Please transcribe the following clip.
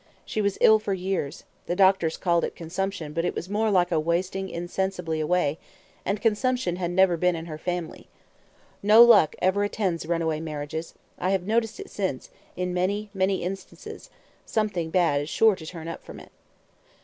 She was ill for years; the doctors called it consumption; but it was more like a wasting insensibly away, and consumption never had been in her family. No luck ever attends runaway marriages; I have noticed it since, in many, many instances; something bad is sure to turn up from it."